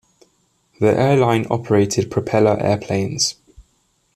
The airline operated propeller airplanes.